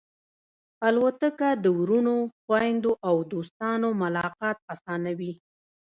الوتکه د وروڼو، خوېندو او دوستانو ملاقات آسانوي.